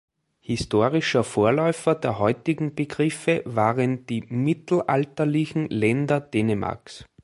Historischer Vorläufer der heutigen Begriffe waren die mittelalterlichen Länder Dänemarks.